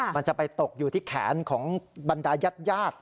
มันจะไปตกอยู่ที่แขนของบรรดายาด